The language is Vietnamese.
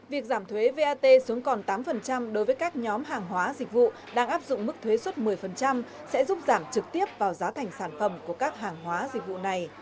việc giảm thuế vat xuống còn tám đối với các nhóm hàng hóa dịch vụ đang áp dụng mức thuế xuất một mươi sẽ giúp giảm trực tiếp vào giá thành sản phẩm của các hàng hóa dịch vụ này